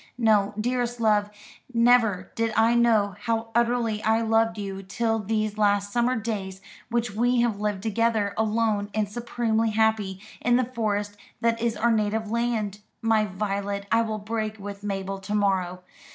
No, dearest love, never did I know how utterly I loved you till these last summer days which we have lived together, alone and supremely happy, in the forest that is our native land. My Violet, I will break with Mabel to morrow.